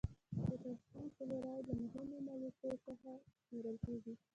پوتاشیم کلورایډ له مهمو مالګو څخه شمیرل کیږي.